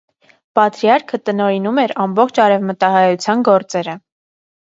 Պատրիարքը տնօրինում էր ամբողջ արևմտահայության գործերը։